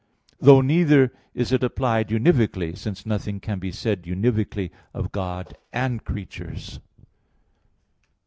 Though neither is it applied univocally, since nothing can be said univocally of God and creatures (Q.